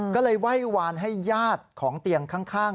ก็เลยไหว้วานให้ญาติของเตียงข้าง